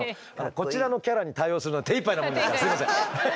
こちらのキャラに対応するのに手いっぱいなもんですからすいません。